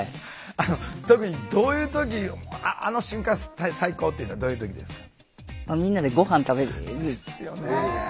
あの特にどういう時あの瞬間最高っていうのはどういう時ですか？